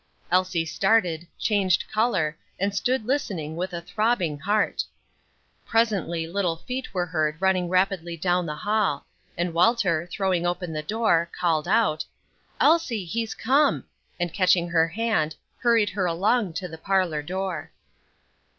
Elsie started, changed color, and stood listening with a throbbing heart. Presently little feet were heard running rapidly down the hall, and Walter, throwing open the door, called out, "Elsie, he's come!" and catching her hand, hurried her along to the parlor door.